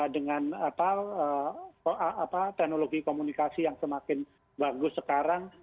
dengan teknologi komunikasi yang semakin bagus sekarang